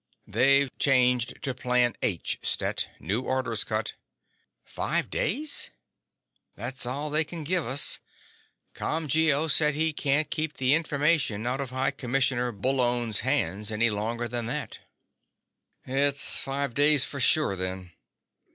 "They've changed to Plan H, Stet. New orders cut." "Five days?" "That's all they can give us. ComGO says he can't keep the information out of High Commissioner Bullone's hands any longer than that." "It's five days for sure then."